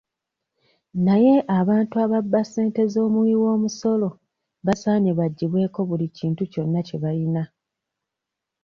Naye abantu ababba ssente z'omuwiwoomusolo basaanye baggyibweko buli kintu kyonna kye bayina.